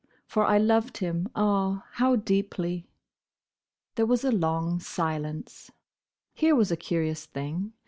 For I loved him—ah, how deeply!" There was a long silence. Here was a curious thing.